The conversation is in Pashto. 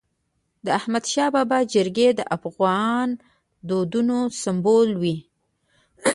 د احمدشاه بابا جرګي د افغان دودونو سمبول وي.